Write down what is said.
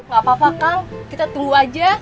gapapa kang kita tunggu aja